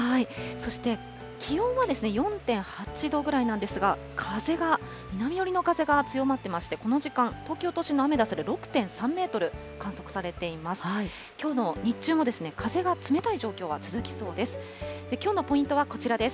そして、気温は４．８度ぐらいなんですが、風が、南寄りの風が強まってまして、この時間、東京都心のアメダスで６．３メートル観測されています。